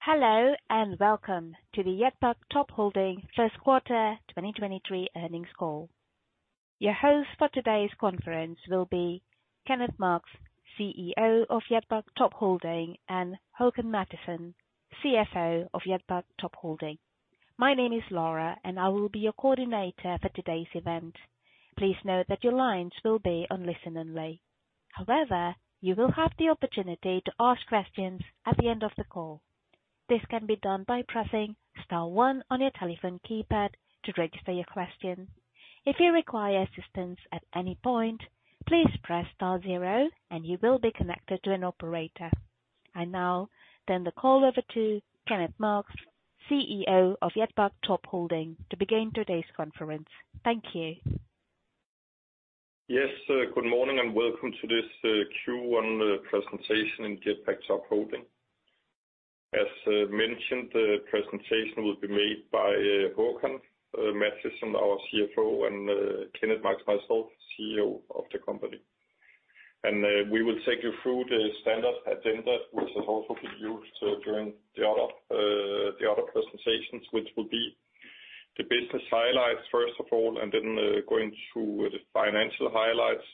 Hello, and welcome to the Jetpak Top Holding first quarter 2023 earnings call. Your host for today's conference will be Kenneth Marx, CEO of Jetpak Top Holding, and Håkan Mattisson, CFO of Jetpak Top Holding. My name is Laura, and I will be your coordinator for today's event. Please note that your lines will be on listen only. However, you will have the opportunity to ask questions at the end of the call. This can be done by pressing star one on your telephone keypad to register your question. If you require assistance at any point, please press star zero, and you will be connected to an operator. I now turn the call over to Kenneth Marx, CEO of Jetpak Top Holding, to begin today's conference. Thank you. Yes, good morning, and welcome to this Q1 presentation in Jetpak Top Holding. As mentioned, the presentation will be made by Håkan Mattisson, our CFO, and Kenneth Marx, myself, CEO of the company. We will take you through the standard agenda, which has also been used during the other presentations, which will be the business highlights, first of all, then going through the financial highlights,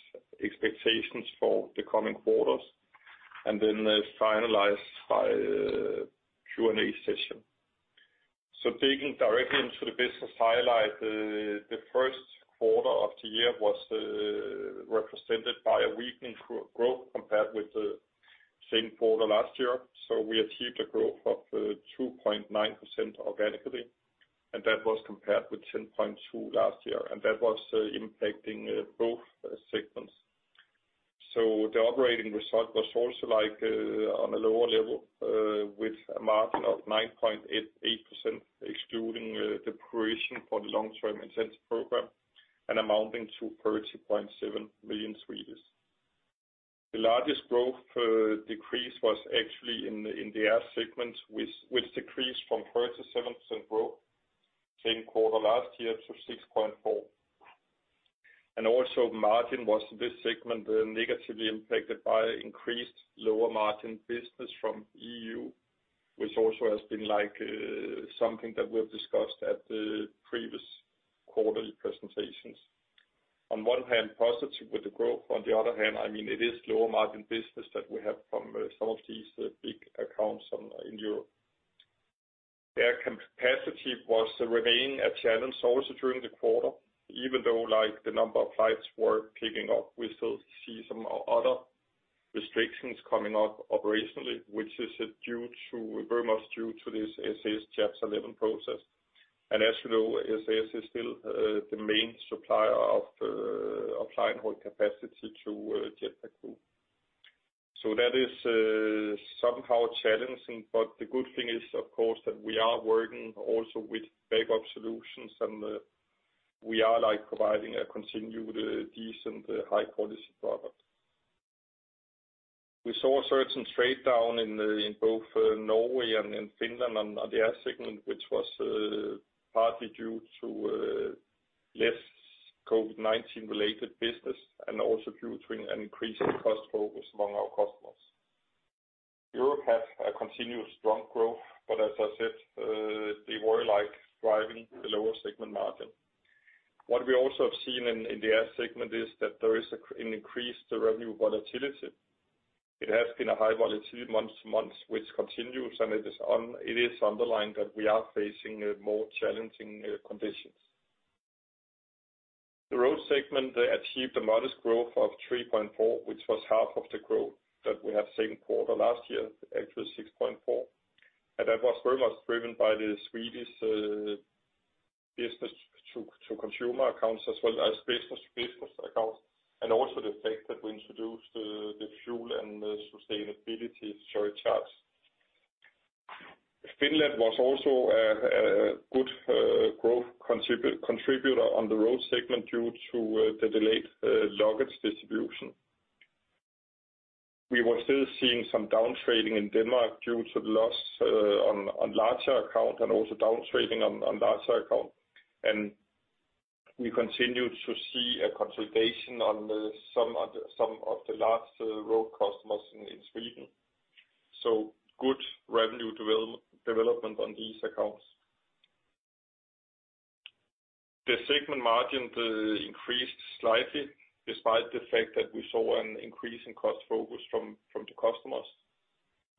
expectations for the coming quarters, and then finalized by a Q&A session. Digging directly into the business highlight, the first quarter of the year was represented by a weakening growth compared with the same quarter last year. We achieved a growth of 2.9% organically, and that was compared with 10.2% last year, and that was impacting both segments. The operating result was also, like, on a lower level, with a margin of 9.88%, excluding the provision for the long-term incentive program, and amounting to 30.7 million. The largest growth decrease was actually in the air segment, which decreased from 37% growth same quarter last year to 6.4%. Also margin was this segment negatively impacted by increased lower margin business from EU, which also has been like something that we have discussed at the previous quarterly presentations. On one hand, positive with the growth, on the other hand, I mean, it is lower margin business that we have from some of these big accounts in Europe. Air capacity was remain a challenge also during the quarter. Even though, like, the number of flights were picking up, we still see some other restrictions coming up operationally, which is due to very much due to this SAS Chapter 11 process. As you know, SAS is still the main supplier of belly-hold capacity to Jetpak Group. That is somehow challenging, but the good thing is, of course, that we are working also with backup solutions, and we are, like, providing a continued decent high-quality product. We saw a certain trade down in both Norway and in Finland on the air segment, which was partly due to less COVID-19 related business and also due to an increasing cost focus among our customers. Europe has a continuous strong growth, but as I said, they were, like, driving the lower segment margin. What we also have seen in the air segment is that there is an increased revenue volatility. It has been a high volatility month to month, which continues, and it is underlined that we are facing more challenging conditions. The road segment, they achieved a modest growth of 3.4%, which was half of the growth that we had same quarter last year, actually 6.4%. That was very much driven by the Swedish business to consumer accounts, as well as business to business accounts, and also the fact that we introduced the fuel and the sustainability surcharge. Finland was also a good growth contributor on the road segment due to the delayed luggage distribution. We were still seeing some down trading in Denmark due to the loss on larger account and also down trading on larger account. We continued to see a consolidation on some of the large road customers in Sweden. Good revenue development on these accounts. The segment margin increased slightly despite the fact that we saw an increase in cost focus from the customers,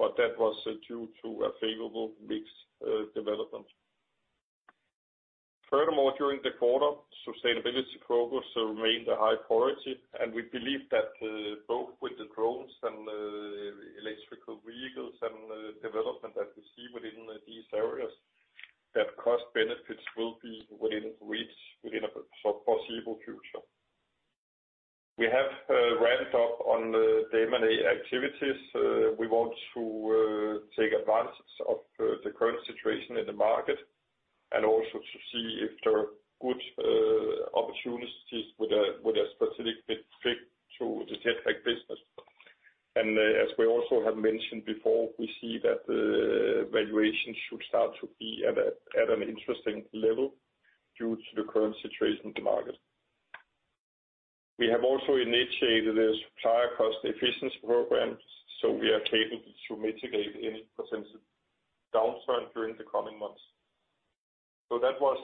but that was due to a favorable mix development. Furthermore, during the quarter, sustainability progress remained a high priority, and we believe that both with the drones and electrical vehicles and development that we see within these areas, that cost benefits will be within reach within a foreseeable future. We have ramped up on the M&A activities. We want to take advantage of the current situation in the market, and also to see if there are good opportunities with a specific fit to the Jetpak business. As we also have mentioned before, we see that valuation should start to be at an interesting level due to the current situation in the market. We have also initiated a supplier cost efficiency program, so we are capable to mitigate any potential downturn during the coming months. That was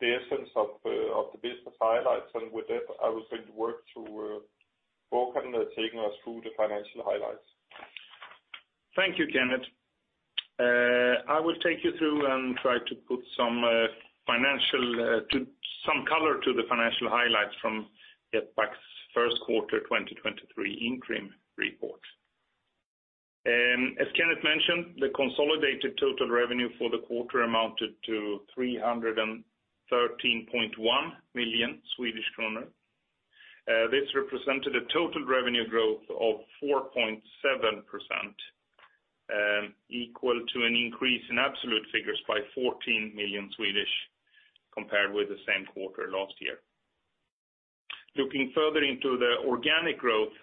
the essence of the business highlights, and with that, I will let you work through Håkan, taking us through the financial highlights. Thank you, Kenneth. I will take you through and try to put some financial color to the financial highlights from Jetpak's first quarter 2023 interim report. As Kenneth mentioned, the consolidated total revenue for the quarter amounted to 313.1 million Swedish kronor. This represented a total revenue growth of 4.7%, equal to an increase in absolute figures by 14 million, compared with the same quarter last year. Looking further into the organic growth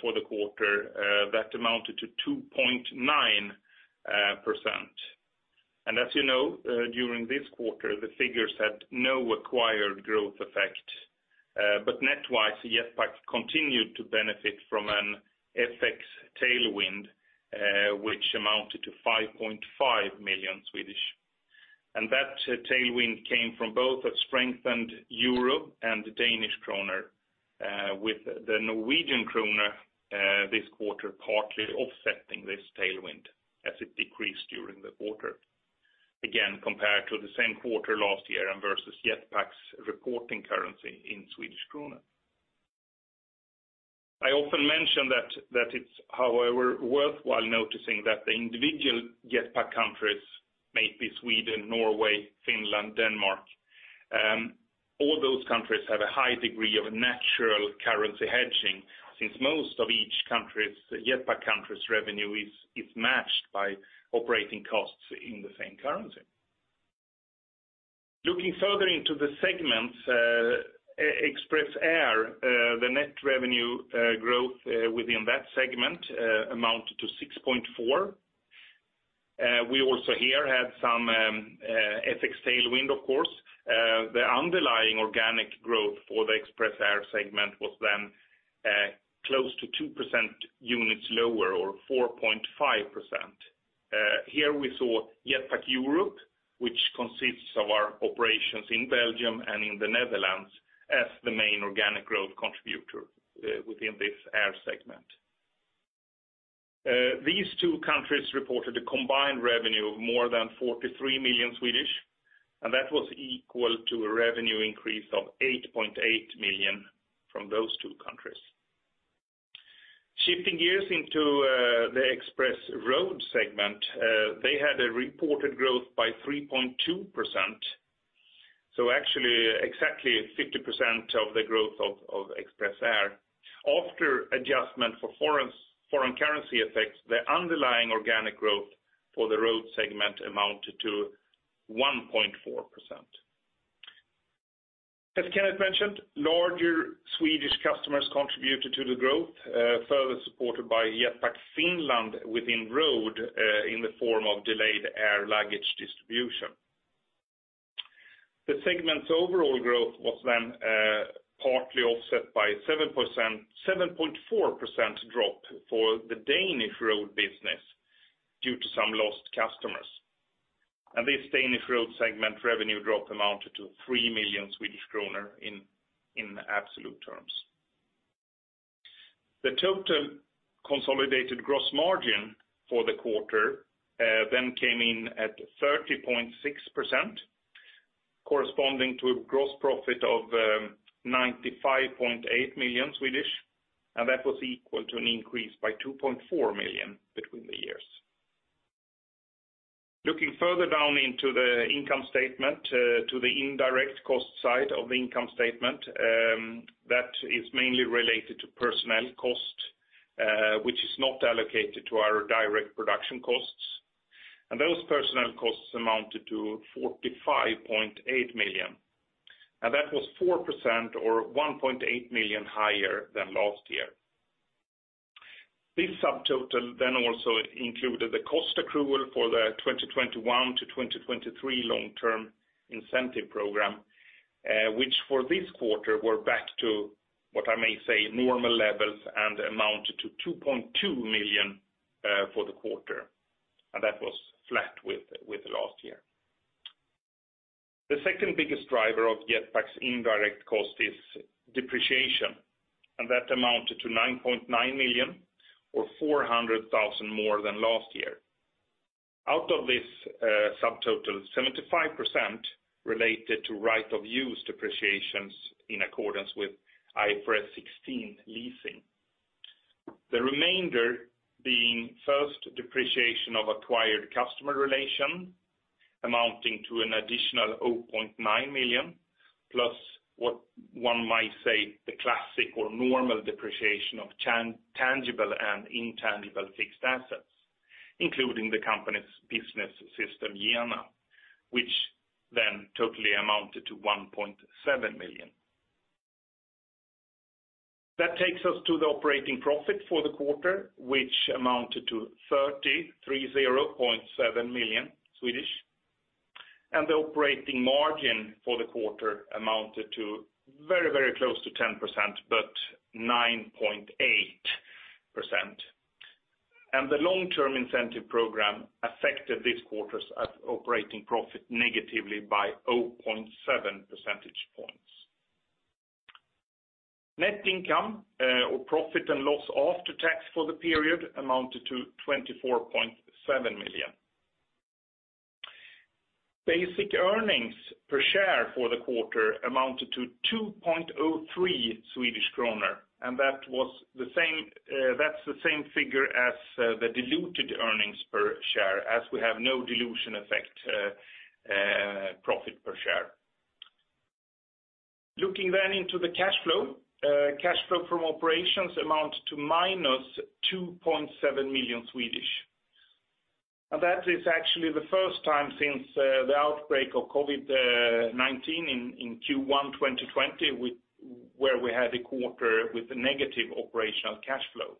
for the quarter, that amounted to 2.9%. As you know, during this quarter, the figures had no acquired growth effect. Net wise, Jetpak continued to benefit from an FX tailwind, which amounted to 5.5 million. That tailwind came from both a strengthened Euro and the Danish kroner, with the Norwegian kroner this quarter, partly offsetting this tailwind as it decreased during the quarter. Again, compared to the same quarter last year and versus Jetpak's reporting currency in Swedish kroner. I often mention that it's however, worthwhile noticing that the individual Jetpak countries, may it be Sweden, Norway, Finland, Denmark, all those countries have a high degree of natural currency hedging, since most of each Jetpak country's revenue is matched by operating costs in the same currency. Looking further into the segments, Express Air, the net revenue growth within that segment amounted to 6.4. We also here had some FX tailwind, of course. The underlying organic growth for the Express Air segment was then close to 2% units lower or 4.5%. Here we saw Jetpak Europe, which consists of our operations in Belgium and in the Netherlands, as the main organic growth contributor within this air segment. These two countries reported a combined revenue of more than 43 million, and that was equal to a revenue increase of 8.8 million from those two countries. Shifting gears into the Express Road segment, they had a reported growth by 3.2%. Actually, exactly 50% of the growth of Express Air. After adjustment for foreign currency effects, the underlying organic growth for the road segment amounted to 1.4%. As Kenneth mentioned, larger Swedish customers contributed to the growth, further supported by Jetpak Finland within Road, in the form of delayed air luggage distribution. The segment's overall growth was then partly offset by 7%, 7.4% drop for the Danish Road business due to some lost customers. This Danish Road segment revenue drop amounted to 3 million Swedish kronor in absolute terms. The total consolidated gross margin for the quarter then came in at 30.6%, corresponding to a gross profit of 95.8 million, and that was equal to an increase by 2.4 million between the years. Looking further down into the income statement, to the indirect cost side of the income statement, that is mainly related to personnel cost, which is not allocated to our direct production costs. Those personnel costs amounted to 45.8 million, and that was 4% or 1.8 million higher than last year. This subtotal also included the cost accrual for the 2021-2023 long-term incentive program, which for this quarter were back to what I may say, normal levels and amounted to 2.2 million for the quarter, and that was flat with last year. The second biggest driver of Jetpak's indirect cost is depreciation, and that amounted to 9.9 million or 400,000 more than last year. Out of this subtotal, 75% related to right-of-use depreciations in accordance with IFRS 16 leasing. The remainder being first depreciation of acquired customer relation, amounting to an additional 0.9 million, plus what one might say, the classic or normal depreciation of tangible and intangible fixed assets, including the company's business system, Jena, which then totally amounted to 1.7 million. That takes us to the operating profit for the quarter, which amounted to 30.7 million. The operating margin for the quarter amounted to very, very close to 10%, but 9.8%. The long-term incentive program affected this quarter's operating profit negatively by 0.7 percentage points. Net income, or profit and loss after tax for the period amounted to 24.7 million. Basic earnings per share for the quarter amounted to 2.03 Swedish kronor, that was the same, that's the same figure as the diluted earnings per share as we have no dilution effect, profit per share. Looking into the cash flow, cash flow from operations amount to minus 2.7 million. That is actually the first time since the outbreak of COVID-19 in Q1 2020, where we had a quarter with a negative operational cash flow.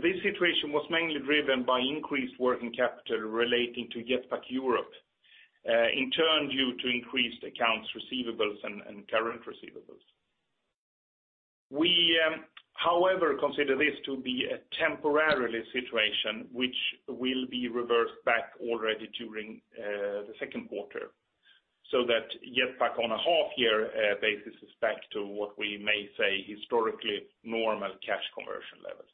This situation was mainly driven by increased working capital relating to Jetpak Europe, in turn, due to increased accounts receivables and current receivables. We, however, consider this to be a temporary situation, which will be reversed back already during the second quarter, so that Jetpak on a half year basis is back to what we may say, historically normal cash conversion levels.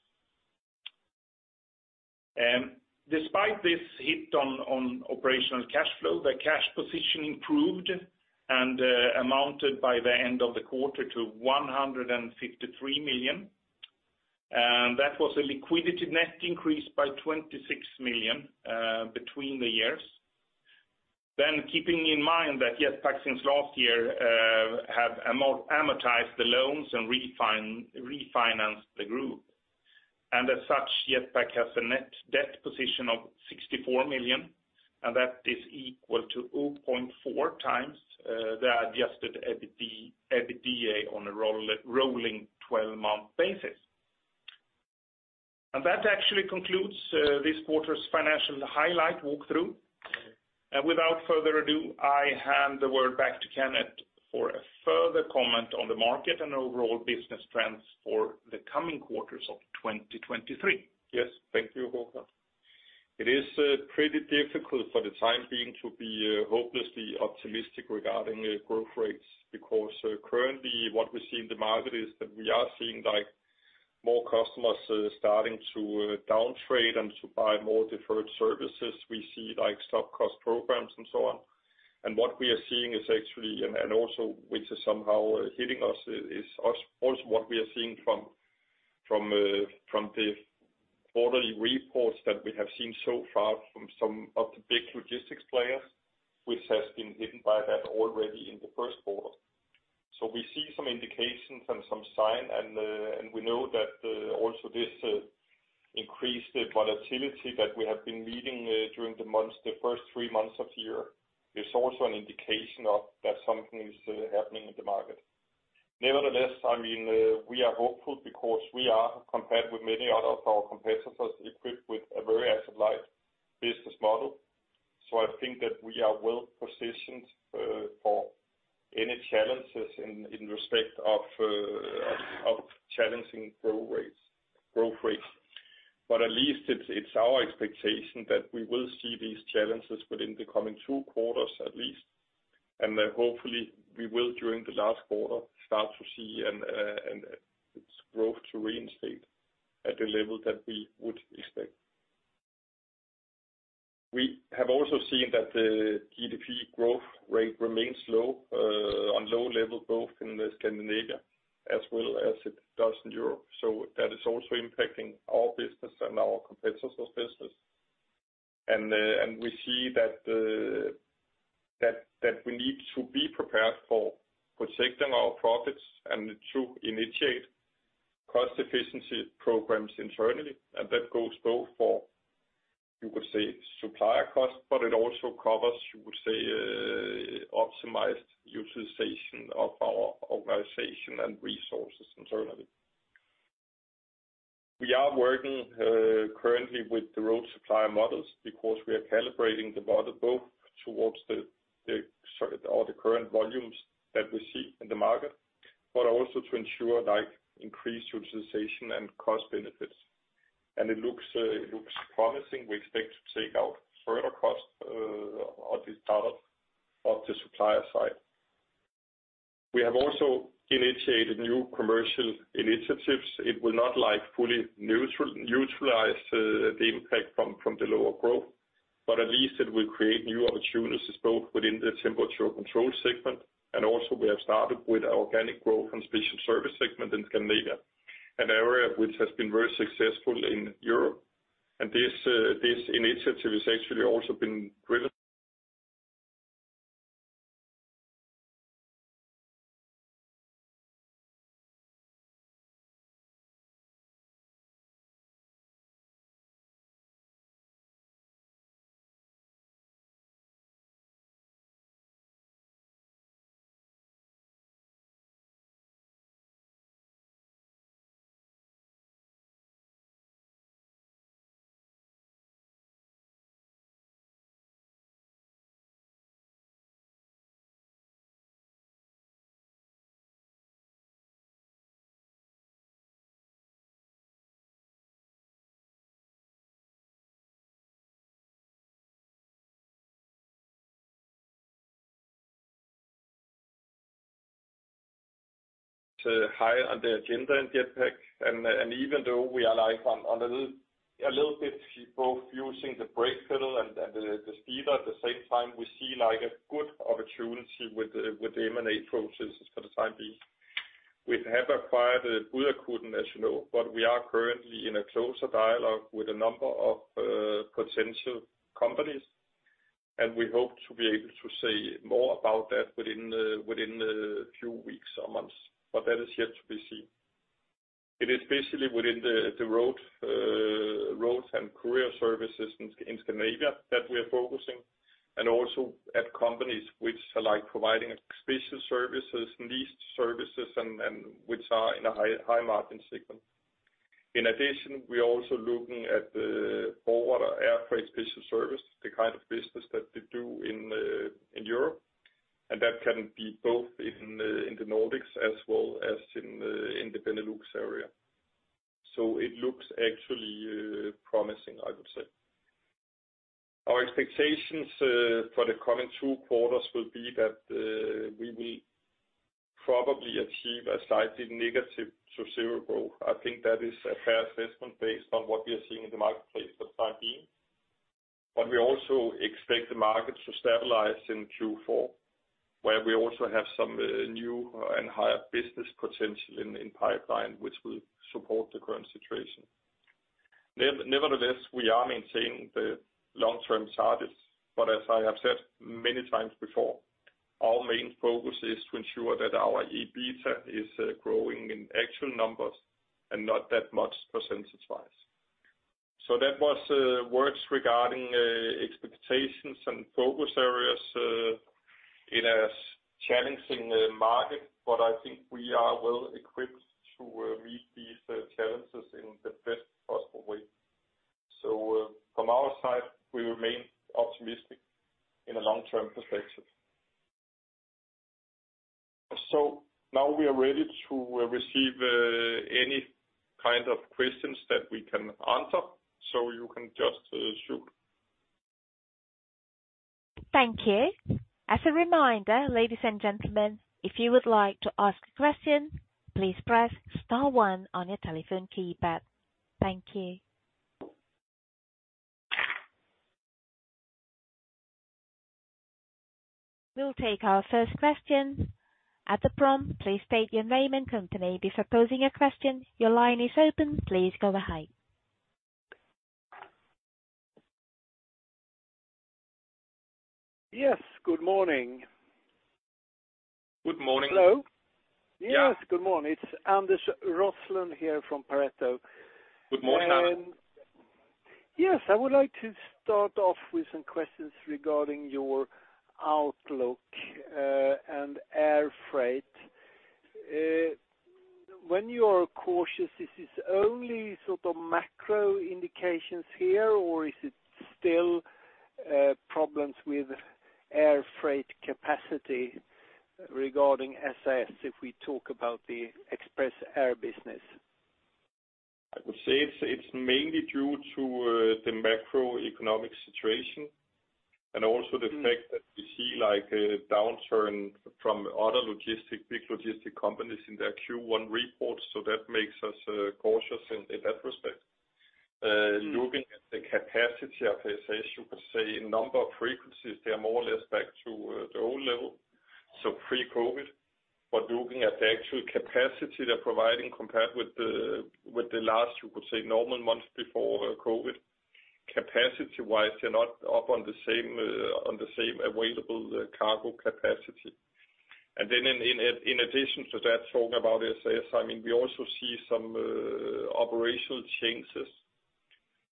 Despite this hit on operational cash flow, the cash position improved and amounted by the end of the quarter to 153 million. That was a liquidity net increase by 26 million between the years. Keeping in mind that Jetpak since last year have amortized the loans and refinanced the group. As such, Jetpak has a net debt position of 64 million, and that is equal to 0.4x the adjusted EBITDA on a rolling twelve-month basis. That actually concludes this quarter's financial highlight walkthrough. Without further ado, I hand the word back to Kenneth for a further comment on the market and overall business trends for the coming quarters of 2023. Yes, thank you, Håkan. It is pretty difficult for the time being to be hopelessly optimistic regarding growth rates, because currently what we see in the market is that we are seeing, like, more customers starting to down trade and to buy more deferred services. We see, like, stock cost programs and so on. What we are seeing is actually, and also which is somehow hitting us, is us, also, what we are seeing from the quarterly reports that we have seen so far from some of the big logistics players, which has been hidden by that already in the first quarter. We see some indications and some sign, and we know that also this increased volatility that we have been meeting during the months, the first three months of the year, is also an indication of that something is happening in the market. Nevertheless, I mean, we are hopeful because we are, compared with many of our competitors, equipped with a very asset-light business model. I think that we are well positioned for any challenges in respect of challenging growth rates. At least it's our expectation that we will see these challenges within the coming two quarters at least, and that hopefully we will, during the last quarter, start to see its growth to reinstate at the level that we would expect. We have also seen that the GDP growth rate remains low, on low level, both in Scandinavia as well as it does in Europe. That is also impacting our business and our competitors' business. We see that we need to be prepared for protecting our profits and to initiate cost efficiency programs internally. That goes both for, you could say, supplier costs, but it also covers, you would say, optimized utilization of our organization and resources internally. We are working currently with the road supplier models because we are calibrating the model both towards the current volumes that we see in the market, but also to ensure, like, increased utilization and cost benefits. It looks promising. We expect to take out further costs on the part of the supplier side. We have also initiated new commercial initiatives. It will not like fully neutralize the impact from the lower growth, but at least it will create new opportunities both within the temperature-controlled transports segment, and also we have started with organic growth and special service segment in Scandinavia, an area which has been very successful in Europe. This initiative has actually also been So high on the agenda in Jetpak, even though we are like on a little bit both using the brake pedal and the speed at the same time, we see like a good opportunity with the M&A processes for the time being. We have acquired Budakuten, as you know. We are currently in a closer dialogue with a number of potential companies, and we hope to be able to say more about that within a few weeks or months. That is yet to be seen. It is basically within the road and courier services in Scandinavia that we are focusing, and also at companies which are like providing special services, niche services, and which are in a high margin segment. In addition, we are also looking at the forwarder air freight special service, the kind of business that they do in Europe, and that can be both in the Nordics as well as in the Benelux area. It looks actually promising, I would say. Our expectations for the coming two quarters will be that we will probably achieve a slightly negative to zero growth. I think that is a fair assessment based on what we are seeing in the marketplace for the time being. We also expect the market to stabilize in Q4, where we also have some new and higher business potential in pipeline, which will support the current situation. Nevertheless, we are maintaining the long-term targets, but as I have said many times before, our main focus is to ensure that our EBITDA is growing in actual numbers and not that much percentage-wise. That was words regarding expectations and focus areas in a challenging market, but I think we are well equipped to meet these challenges in the best possible way. From our side, we remain optimistic in a long-term perspective. Now we are ready to receive any kind of questions that we can answer, you can just shoot. Thank you. As a reminder, ladies and gentlemen, if you would like to ask a question, please press star one on your telephone keypad. Thank you. We'll take our first question. At the prompt, please state your name and company before posing a question. Your line is open. Please go ahead. Yes, good morning. Good morning. Hello? Yeah. Yes, good morning. It's Anders Roslund here from Pareto. Good morning. I would like to start off with some questions regarding your outlook, and air freight. When you are cautious, this is only sort of macro indications here, or is it still, problems with air freight capacity regarding SAS, if we talk about the Express Air business? I would say it's mainly due to the macroeconomic situation, and also the fact- Mm. -that we see like a downturn from other logistic, big logistic companies in their Q1 reports, so that makes us cautious in that respect. Mm. Looking at the capacity of SAS, you could say in number of frequencies, they are more or less back to the old level, so pre-COVID. Looking at the actual capacity they're providing compared with the, with the last, you could say, normal months before COVID, capacity-wise, they're not up on the same available cargo capacity. Then in addition to that, talking about SAS, I mean, we also see some operational changes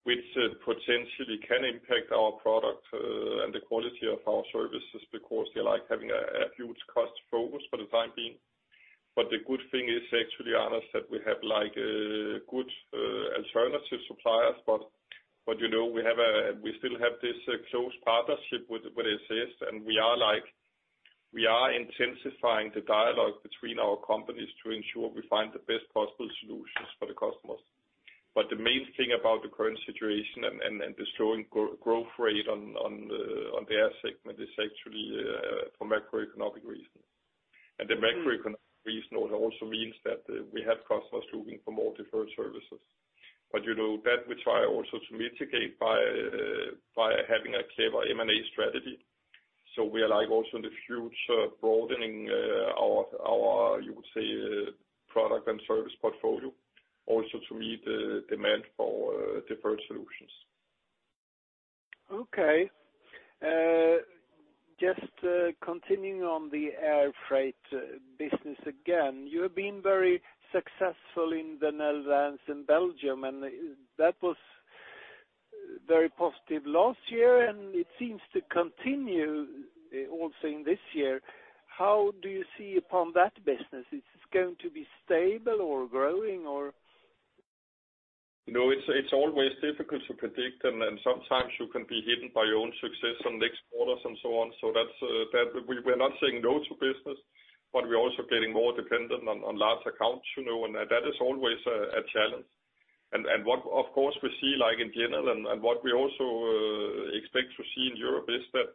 which potentially can impact our product and the quality of our services, because they're like having a huge cost focus for the time being. The good thing is actually, Anders, that we have like good alternative suppliers. You know, we still have this close partnership with SAS, and we are like, we are intensifying the dialogue between our companies to ensure we find the best possible solutions for the customers. The main thing about the current situation and the slowing growth rate on the air segment is actually for macroeconomic reasons. Mm. The macroeconomic reason also means that we have customers looking for more deferred services. You know, that we try also to mitigate by having a clever M&A strategy. We are like also in the future, broadening our, you would say, product and service portfolio, also to meet the demand for deferred solutions. Okay. Just continuing on the air freight business again, you have been very successful in the Netherlands and Belgium, and that was very positive last year, and it seems to continue, also in this year. How do you see upon that business? Is this going to be stable or growing or? No, it's always difficult to predict. Sometimes you can be hidden by your own success on next quarters and so on. That's, we're not saying no to business, but we're also getting more dependent on large accounts, you know, and that is always a challenge. What, of course, we see, like in general, and what we also expect to see in Europe is that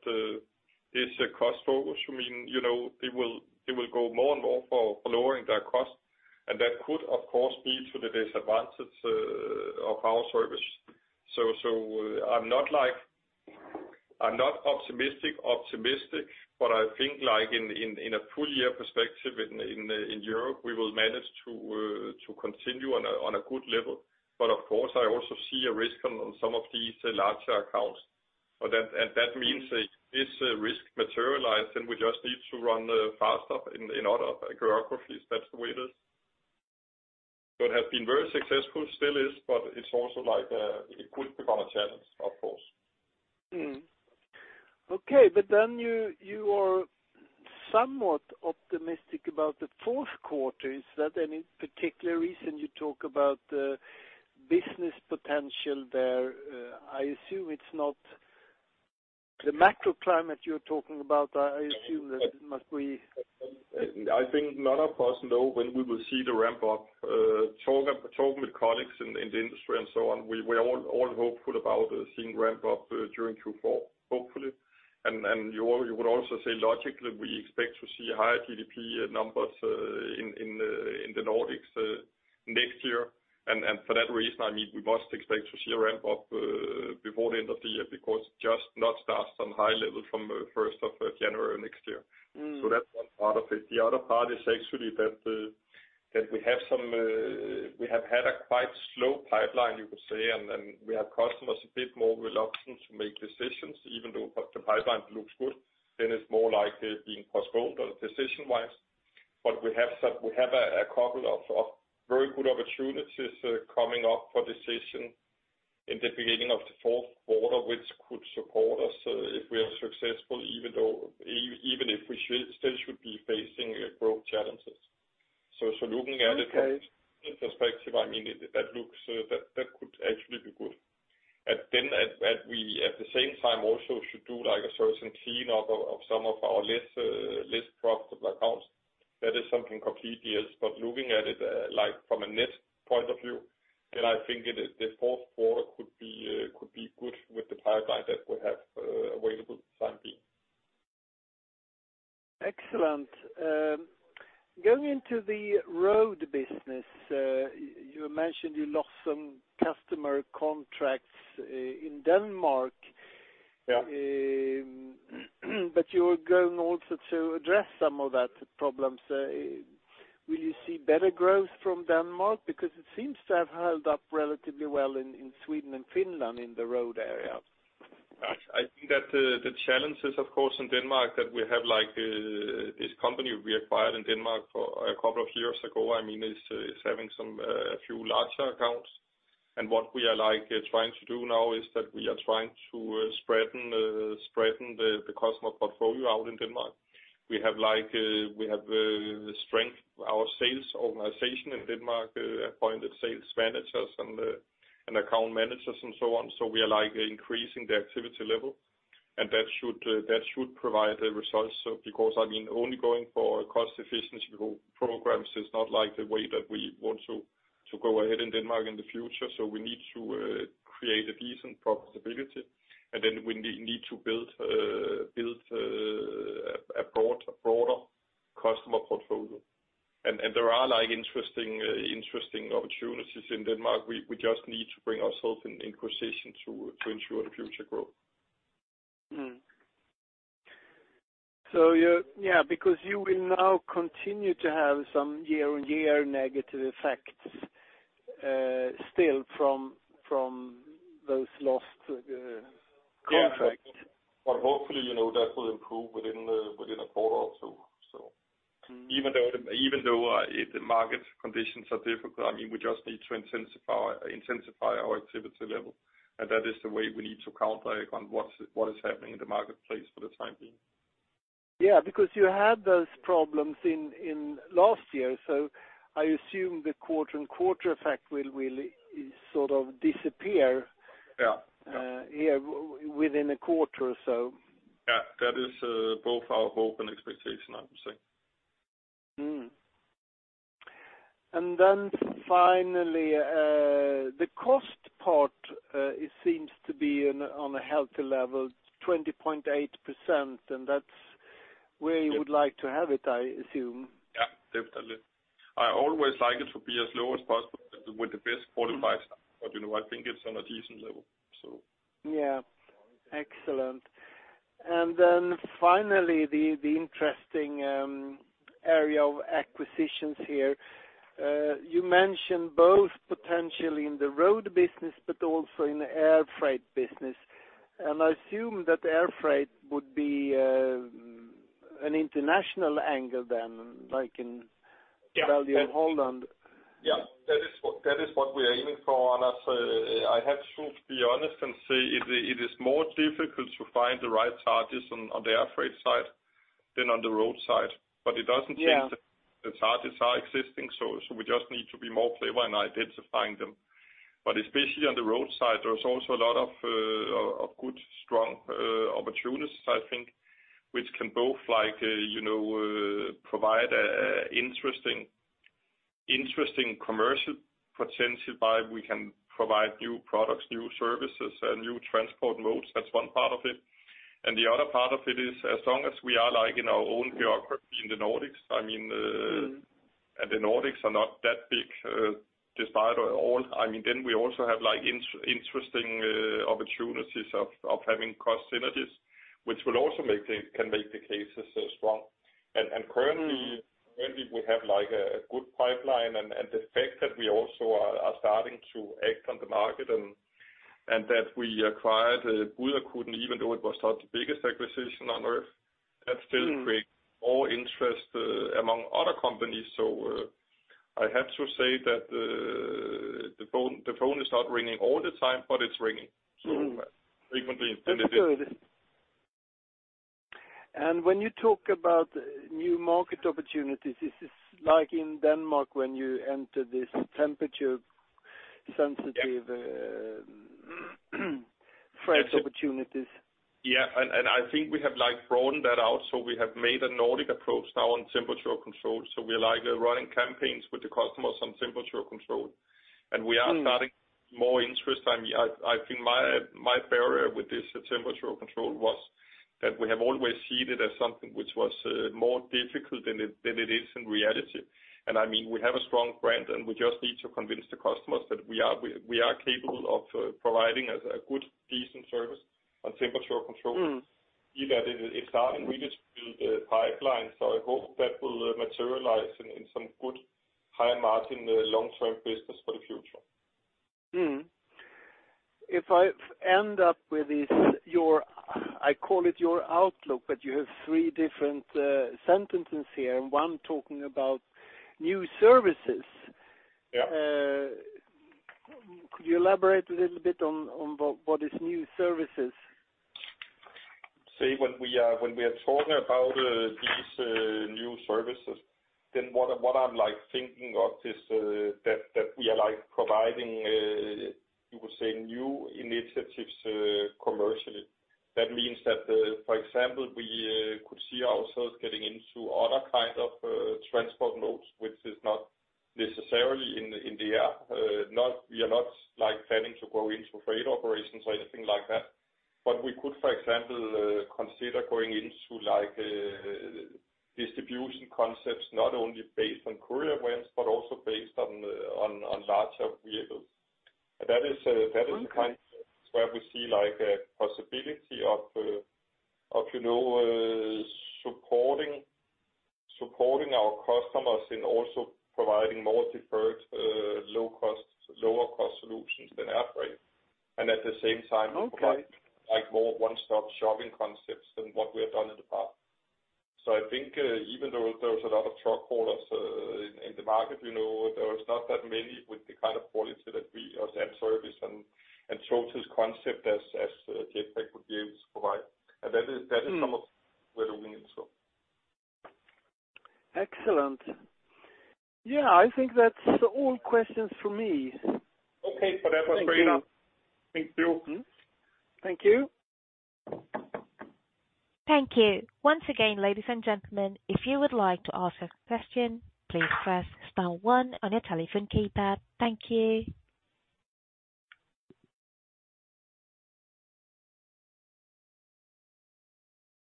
it's a cost focus. I mean, you know, it will go more and more for lowering their cost, and that could, of course, be to the disadvantage of our service. I'm not like, I'm not optimistic, but I think like in a full year perspective in Europe, we will manage to continue on a good level. Of course, I also see a risk on some of these larger accounts. That, and that means if this risk materialize, then we just need to run, faster in other geographies. That's the way it is. Have been very successful, still is, but it's also like, it could become a challenge, of course. Okay, you are somewhat optimistic about the fourth quarter. Is that any particular reason you talk about the business potential there? I assume it's not the macro climate you're talking about. I assume that it must be. I think none of us know when we will see the ramp up. Talking with colleagues in the industry and so on, we're all hopeful about seeing ramp up during Q4, hopefully. You would also say, logically, we expect to see higher GDP numbers in the Nordics next year. For that reason, I mean, we must expect to see a ramp up before the end of the year, because just not start on high level from first of January next year. Mm. That's one part of it. The other part is actually that we have some, we have had a quite slow pipeline, you could say, and then we have customers a bit more reluctant to make decisions, even though the pipeline looks good, then it's more likely being postponed decision-wise. We have a couple of very good opportunities, coming up for decision in the beginning of the fourth quarter, which could support us, if we are successful, even though, even if we still should be facing growth challenges. Looking at it- Okay. In perspective, I mean, that looks, that could actually be good. Then, and we, at the same time, also should do like a certain clean up of some of our less profitable accounts. That is something completely else. Looking at it, like from a net point of view, then I think it, the fourth quarter could be good with the pipeline that we have available time being. Excellent. Going into the Express Road business, you mentioned you lost some customer contracts in Denmark. Yeah. You're going also to address some of that problems. Will you see better growth from Denmark? Because it seems to have held up relatively well in Sweden and Finland, in the road area. I think that the challenges, of course, in Denmark, that we have, like, this company we acquired in Denmark for a couple of years ago, I mean, is having some a few larger accounts. What we are like trying to do now is that we are trying to spreaden the customer portfolio out in Denmark. We have like, we have strength our sales organization in Denmark, appointed sales managers and account managers and so on. We are, like, increasing the activity level, and that should provide a result. Because, I mean, only going for cost efficiency programs is not like the way that we want to go ahead in Denmark in the future. We need to create a decent profitability, and then we need to build a broader customer portfolio. There are, like, interesting opportunities in Denmark. We just need to bring ourselves in position to ensure the future growth. Yeah, because you will now continue to have some year-on-year negative effects, still from those lost contracts. Yeah. Hopefully, you know, that will improve within a quarter or two, so. Mm. Even though the market conditions are difficult, I mean, we just need to intensify our activity level, and that is the way we need to counteract on what is happening in the marketplace for the time being. Because you had those problems in last year, I assume the quarter-on-quarter effect will sort of disappear. Yeah. here within a quarter or so. Yeah, that is both our hope and expectation, I would say. Finally, the cost part, it seems to be in, on a healthy level, 20.8%, and that's where you would like to have it, I assume. Yeah, definitely. I always like it to be as low as possible with the best qualified staff, but, you know, I think it's on a decent level, so. Yeah. Excellent. Finally, the interesting area of acquisitions here. You mentioned both potentially in the road business, but also in the air freight business. I assume that air freight would be an international angle then, like in Belgium and Holland? Yeah, that is what we are aiming for. As I have to be honest and say it is more difficult to find the right targets on the air freight side than on the road side. it doesn't change. Yeah. the targets are existing, so we just need to be more clever in identifying them. Especially on the road side, there's also a lot of good, strong opportunities, I think, which can both like, you know, provide interesting commercial potential, by we can provide new products, new services, and new transport modes. That's one part of it. The other part of it is, as long as we are, like, in our own geography in the Nordics, I mean, Mm. The Nordics are not that big, despite all. I mean, then we also have, like, interesting opportunities of having cost synergies, which will also can make the cases strong. Currently, we have, like, a good pipeline, and the fact that we also are starting to act on the market and that we acquired Budakuten, even though it was not the biggest acquisition on earth, that still create- Mm. more interest, among other companies. I have to say that, the phone is not ringing all the time, but it's ringing. Mm. Frequently. That's good. When you talk about new market opportunities, is this like in Denmark, when you entered this temperature-sensitive-? Yeah. freight opportunities? Yeah, I think we have, like, broadened that out. We have made a Nordic approach now on temperature-controlled transports. We are, like, running campaigns with the customers on temperature-controlled transports. Mm. We are getting more interest. I mean, I think my barrier with this temperature-controlled transports was that we have always seen it as something which was more difficult than it, than it is in reality. I mean, we have a strong brand, and we just need to convince the customers that we are, we are capable of providing a good, decent service on temperature-controlled transports. Mm. Either it's starting really to build a pipeline, so I hope that will materialize in some good high margin, long-term business for the future. If I end up with this, your I call it your outlook, but you have three different sentences here, and one talking about new services. Yeah. Could you elaborate a little bit on what is new services? When we are talking about these new services, what I'm like thinking of is that we are, like, providing, you could say new initiatives, commercially. For example, we could see ourselves getting into other kind of transport modes, which is not necessarily in the air. We are not, like, planning to go into freight operations or anything like that. We could, for example, consider going into like, distribution concepts, not only based on courier vans, but also based on larger vehicles. That is. Okay. the kind where we see, like, a possibility of, you know, supporting our customers and also providing more deferred, lower-cost solutions than air freight. At the same time. Okay. -provide like, more one-stop shopping concepts than what we have done in the past. I think, even though there's a lot of truck holders, in the market, you know, there is not that many with the kind of quality that we as that service and services concept as Jetpak would be able to provide. Mm. That is some of we're looking into. Excellent. Yeah, I think that's all questions for me. Okay, that was great. Thank you. Thank you. Mm-hmm. Thank you. Thank you. Once again, ladies and gentlemen, if you would like to ask a question, please press star one on your telephone keypad. Thank you.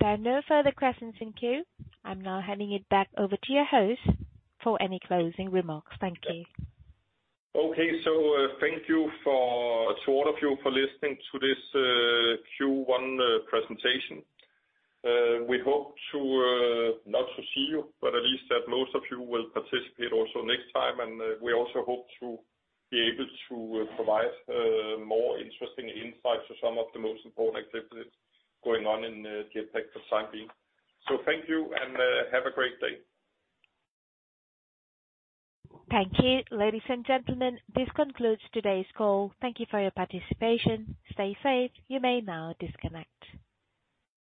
There are no further questions in queue. I'm now handing it back over to your host for any closing remarks. Thank you. Okay. Thank you to all of you for listening to this Q1 presentation. We hope to not to see you, but at least that most of you will participate also next time. We also hope to be able to provide more interesting insights to some of the most important activities going on in Jetpak for the time being. Thank you, and, have a great day. Thank you. Ladies and gentlemen, this concludes today's call. Thank you for your participation. Stay safe. You may now disconnect.